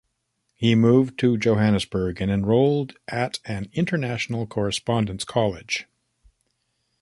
He moved to Johannesburg and enrolled at an international Correspondence College.